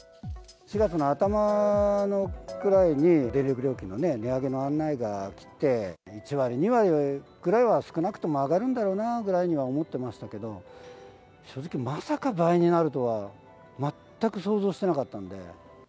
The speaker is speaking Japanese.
４月の頭くらいに電力料金の値上げの案内が来て、１割、２割くらいは、少なくとも上がるんだろうなぐらいには思ってましたけど、正直、まさか倍になるとは、全く想像してなかったんで。